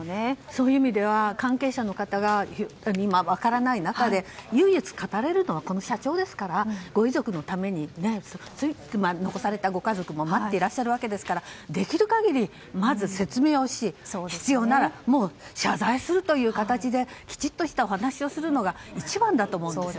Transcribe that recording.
そういう意味では関係者の方が今、分からない中で唯一語れるのはこの社長ですから残されたご家族も待っていらっしゃるわけですからできる限り、まず説明をし必要なら謝罪する形できちっとしたお話をするのが一番のためだと思うんです。